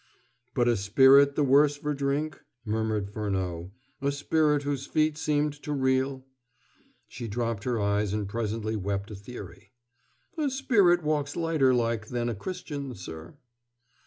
"But a spirit the worse for drink?" murmured Furneaux; "a spirit whose feet seemed to reel?" She dropped her eyes, and presently wept a theory. "A spirit walks lighter like than a Christian, sir."